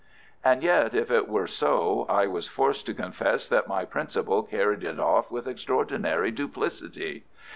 And yet, if it were so, I was forced to confess that my principal carried it off with extraordinary duplicity.